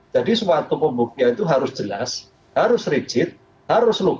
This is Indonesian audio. jadi suatu pembuktian itu harus jelas harus rigid harus logis dan harus terbuka